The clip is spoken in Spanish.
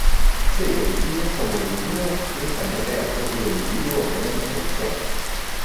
Se identifica como divino únicamente al propio individuo o bien del Ser.